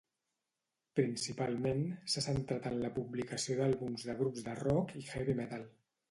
Principalment s'ha centrat en la publicació d'àlbums de grups de rock i heavy metal.